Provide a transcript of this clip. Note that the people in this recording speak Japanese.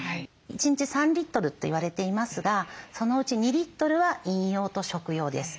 １日３リットルって言われていますがそのうち２リットルは飲用と食用です。